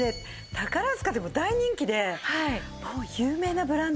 宝塚でも大人気で有名なブランドですよ。